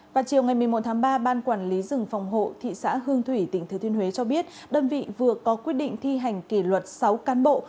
vào chiều ngày một mươi một tháng ba ban quản lý rừng phòng hộ thị xã hương thủy tỉnh thứ thuyên huế cho biết đơn vị vừa có quyết định thi hành kỳ luật sáu can bộ